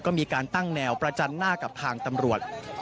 ก็มีการตั้งแนวประจันหน้ากับทางตำรวจ